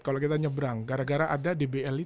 kalau kita nyebrang gara gara ada dbl lima